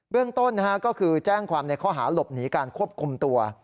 เรื่องต้นก็คือแจ้งความในข้อหาหลบหนีการควบคุมตัว